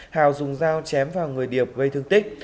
hào dùng dao chém vào người điệp gây thương tích